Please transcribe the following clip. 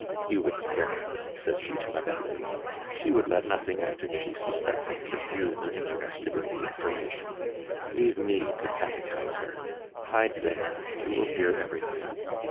"You would scare her," said she to Madame Hulot. "She would let nothing out if she suspected that you were interested in the information. Leave me to catechise her. Hide there, and you will hear everything.